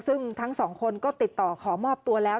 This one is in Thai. ซึ่งทั้งสองคนก็ติดต่อขอมอบตัวแล้ว